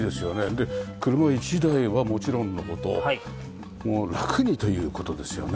で車１台はもちろんの事もう楽にという事ですよね。